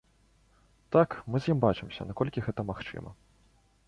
Так, мы з ім бачымся, наколькі гэта магчыма.